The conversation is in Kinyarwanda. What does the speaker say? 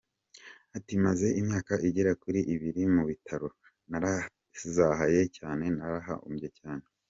Ati “Maze imyaka igera kuri ibiri mu bitaro, narazahaye cyane naranahombye cyane.